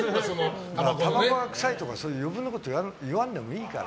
たばこくさいとか余計なこと言わないでいいから。